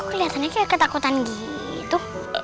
kelihatannya kayak ketakutan gitu